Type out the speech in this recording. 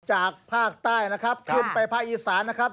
จากภาคใต้นะครับขึ้นไปภาคอีสานนะครับ